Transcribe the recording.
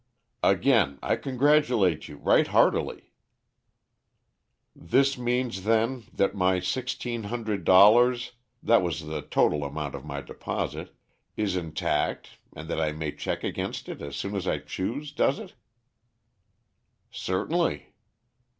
"Again I congratulate you, right heartily." "This means then, that my sixteen hundred dollars that was the total amount of my deposit is intact, and that I may check against it as soon as I choose, does it?" "Certainly."